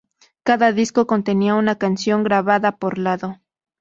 Cada disco contenía una canción grabada por lado.